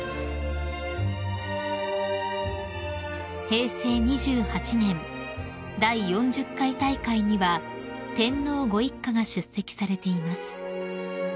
［平成２８年第４０回大会には天皇ご一家が出席されています］